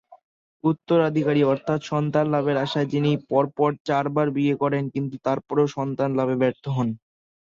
উত্তরাধিকারী অর্থ্যাৎ সন্তান লাভের আশায় তিনি পরপর চারবার বিয়ে করেন কিন্তু তারপরেও সন্তান লাভে ব্যর্থ হন।